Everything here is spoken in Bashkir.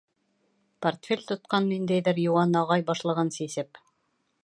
Портфель тотҡан ниндәйҙер йыуан ағай, башлығын сисеп: